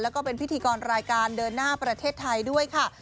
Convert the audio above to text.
แล้วก็เป็นพิธีกรรายการเดินหน้าประเทศไทยด้วยค่ะ